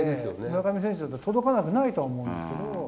村上選手も届かなくないと思うんですけど。